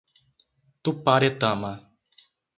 Tuparetama